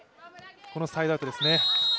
このサイドアウトですね。